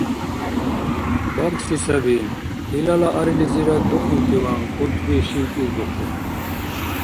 - Бархьси саби, - илала арилизирад духъунтиван, кӀунтӀби шивкӀивдухъун.